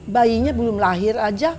bayinya belum lahir aja